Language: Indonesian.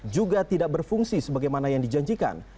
juga tidak berfungsi sebagaimana yang dijanjikan